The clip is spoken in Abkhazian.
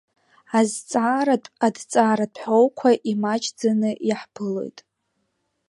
Азҵааратә, адҵаратә ҳәоуқәа имаҷӡаны иаҳԥылоит.